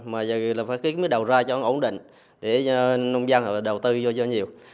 mà giờ là phải cái đầu ra cho nó ổn định để nông dân họ đầu tư cho nhiều